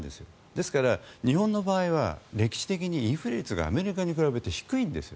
ですから、日本の場合は歴史的にインフレ率がアメリカに比べて低いんです。